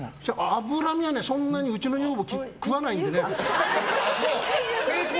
脂身はね、そんなにうちの女房、食わないんでね。